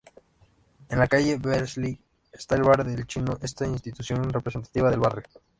En la calle Beazley está el Bar el Chino, una institución representativa del barrio.